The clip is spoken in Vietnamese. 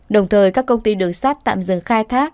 đồng thời các công ty đường sắt tạm dừng khai thác